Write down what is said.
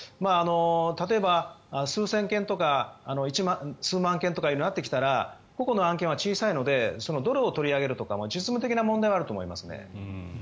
例えば数千件とか数万件とかになってきたら個々の案件は小さいのでどれを取り上げるとかも実務的な問題はあると思いますね。